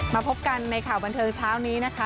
มาพบกันในข่าวบันเทิงเช้านี้นะคะ